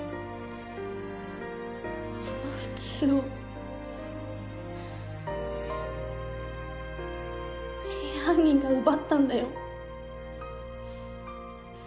その普通を真犯人が奪ったんだよ。